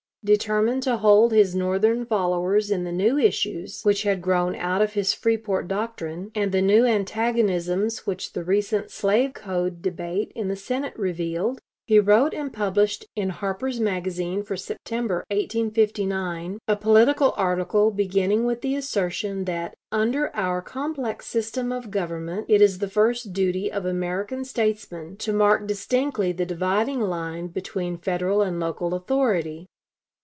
Determined to hold his Northern followers in the new issues which had grown out of his Freeport doctrine, and the new antagonisms which the recent slave code debate in the Senate revealed, he wrote and published in "Harper's Magazine" for September, 1859, a political article beginning with the assertion that "Under our complex system of government it is the first duty of American statesmen to mark distinctly the dividing line between Federal and Local authority."